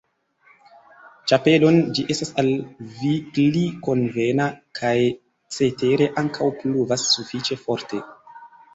ĉapelon, ĝi estas al vi pli konvena, kaj cetere ankaŭ pluvas sufiĉe forte.